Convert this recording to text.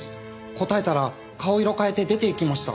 答えたら顔色変えて出ていきました。